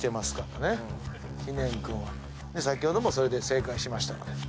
先ほどもそれで正解しましたので。